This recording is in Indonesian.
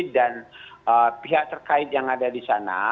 dan pihak terkait yang ada di sana